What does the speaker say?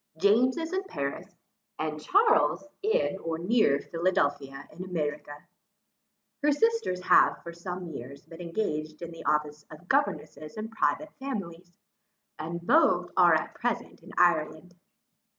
James is in Paris, and Charles in or near Philadelphia in America. Her sisters have for some years been engaged in the office of governesses in private families, and are both at present in Ireland.